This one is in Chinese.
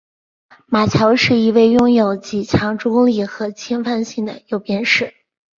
马乔是一位拥有极强助攻力和侵略性的右边卫。